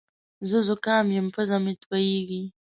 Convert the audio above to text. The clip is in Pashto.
زه زوکام یم پزه مې تویېږې